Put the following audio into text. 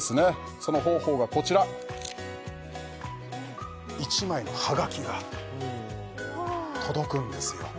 その方法がこちら１枚のはがきが届くんですよ